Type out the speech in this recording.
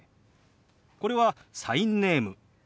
これはサインネーム。